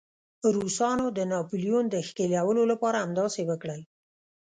روسانو د ناپلیون د ښکېلولو لپاره همداسې وکړل.